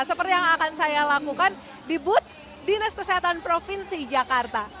seperti yang akan saya lakukan di but dinas kesehatan provinsi jakarta